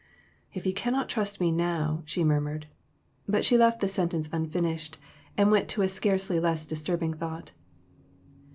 "If he cannot trust me now," she murmured; but she left the sentence unfinished, and went to a scarcely less disturbing thought.